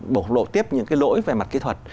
bộ lộ tiếp những cái lỗi về mặt kỹ thuật